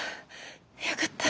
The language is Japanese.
よかった。